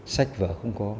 sách vở không có